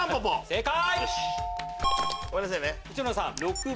正解。